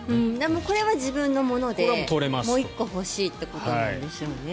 これは自分のものでもう１個欲しいってことなんでしょうね。